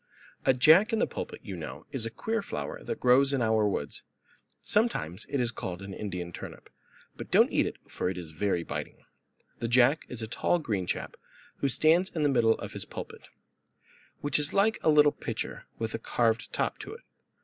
A Jack in the Pulpit, you know, is a queer flower that grows in our woods. Sometimes it is called an Indian turnip, but don't eat it, for it is very biting. The Jack is a tall green chap, who stands in the middle of his pulpit, which is like a little pitcher, with a curved top to it.